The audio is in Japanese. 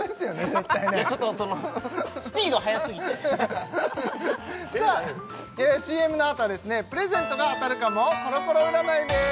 絶対ねちょっとスピード速すぎてさあＣＭのあとはですねプレゼントが当たるかもコロコロ占いです